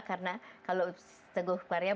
karena kalau teguh karya